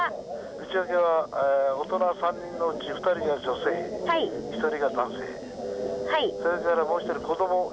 内訳は大人３人のうち２人が女性１人が男性。